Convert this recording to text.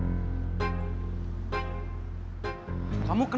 dia bilang mungkin bajigur yang ngejualan